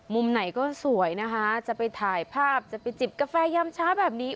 มุมไหนก็สวยนะคะจะไปถ่ายภาพจะไปจิบกาแฟยามเช้าแบบนี้